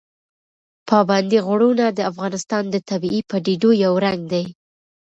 پابندي غرونه د افغانستان د طبیعي پدیدو یو رنګ دی.